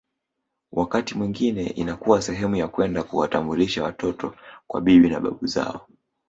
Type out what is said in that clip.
Wakati mwingine inakuwa sehemu ya kwenda kuwatambulisha watoto kwa bibi na babu zao